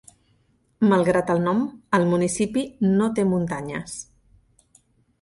Malgrat el nom, el municipi no té muntanyes.